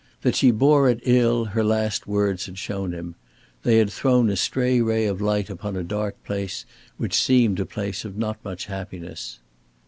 That she bore it ill her last words had shown him. They had thrown a stray ray of light upon a dark place which seemed a place of not much happiness.